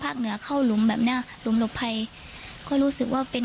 เหนือเข้าหลุมแบบเนี้ยหลุมหลบภัยก็รู้สึกว่าเป็น